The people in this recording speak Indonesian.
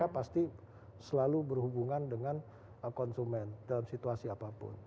pasti selalu berhubungan dengan konsumen dalam situasi apapun